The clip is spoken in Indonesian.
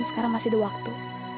sekarang masih ada waktu